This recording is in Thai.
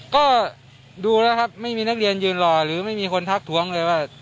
ก็ดูแล้วครับไม่มีนักเรียนยืนรอหรือไม่มีคนทักท้วงเลยว่า